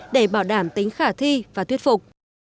để bảo đảm tính khả thi và thuyết phục